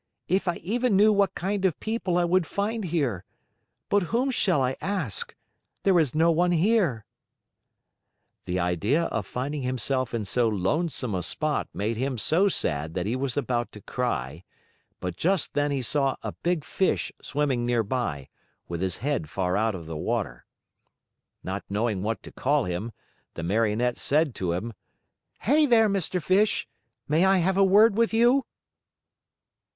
"If I even knew what kind of people I would find here! But whom shall I ask? There is no one here." The idea of finding himself in so lonesome a spot made him so sad that he was about to cry, but just then he saw a big Fish swimming near by, with his head far out of the water. Not knowing what to call him, the Marionette said to him: "Hey there, Mr. Fish, may I have a word with you?"